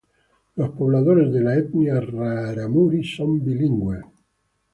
Los pobladores de la etnia rarámuri son bilingües.